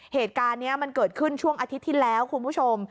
เหตุการณ์นี้มันเกิดขึ้นช่วงอาทิตย์ที่แล้วคุณผู้ชม